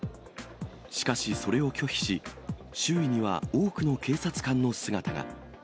しかし、それを拒否し、周囲には多くの警察官の姿が。